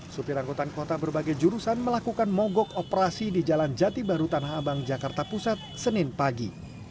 supir angkutan kota berbagai jurusan melakukan mogok operasi di jalan jati baru tanah abang jakarta pusat senin pagi